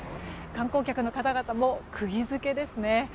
観光客の方々も釘付けですね。